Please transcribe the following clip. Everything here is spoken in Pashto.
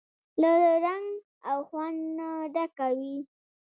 له رنګ او خوند نه ډکه وي.